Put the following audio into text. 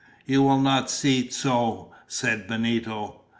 "You will not see Tzoe," said Benito.